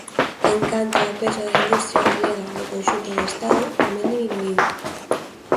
En canto ao peso da industria galega no conxunto do Estado, tamén diminuíu.